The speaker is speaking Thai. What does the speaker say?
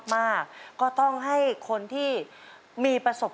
เห็นไหมลูก